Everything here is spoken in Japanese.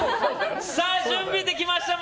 さあ、準備ができました。